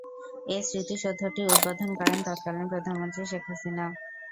এ স্মৃতিসৌধটি উদ্বোধন করেন তৎকালিন প্রধানমন্ত্রী শেখ হাসিনা।